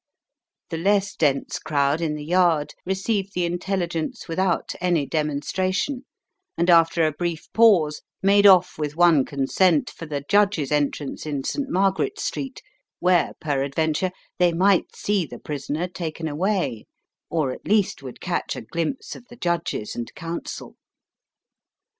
The less dense crowd in the Yard received the intelligence without any demonstration and after a brief pause made off with one consent for the judges' entrance in St. Margaret's Street, where, peradventure, they might see the prisoner taken away, or at least would catch a glimpse of the judges and counsel.